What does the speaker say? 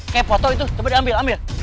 kayak foto itu coba diambil ambil